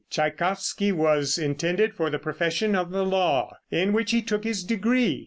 Tschaikowsky was intended for the profession of the law, in which he took his degree.